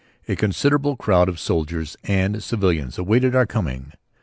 A considerable crowd of soldiers and civilians awaited our coming.